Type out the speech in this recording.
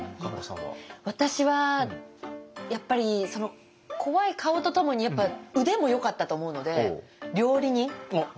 私はやっぱり怖い顔とともに腕もよかったと思うので「料理人」。